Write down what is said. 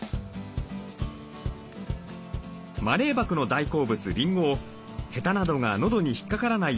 マレーバクの大好物リンゴをへたなどが喉に引っかからないよう